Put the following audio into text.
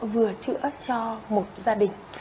vừa chữa cho một gia đình